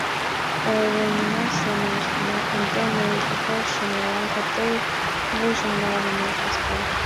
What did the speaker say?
— Ойлымына семын ыштена, ынде мый вожшым налам, а тый вуйжым нал, — манеш маска.